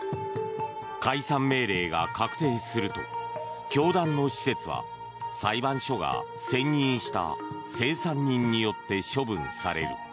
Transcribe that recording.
解散命令が確定すると教団の施設は裁判所が選任した清算人によって処分される。